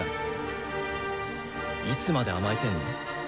いつまで甘えてんの？